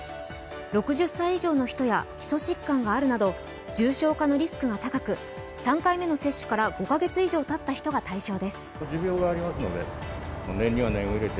６０歳以上の人や基礎疾患があるなど重症化のリスクが高く３回目の接種から５カ月以上たった人が対象です。